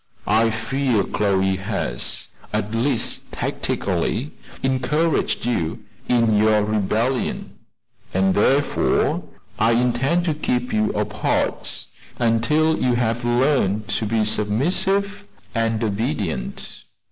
I fear Chloe has, at least tacitly, encouraged you in your rebellion, and therefore I intend to keep you apart until you have learned to be submissive and obedient."